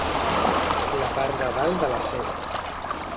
La part de dalt de la ceba.